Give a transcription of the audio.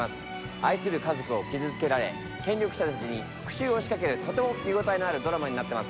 愛する家族を傷つけられ権力者たちに復讐を仕掛けるとても見応えのあるドラマになってます。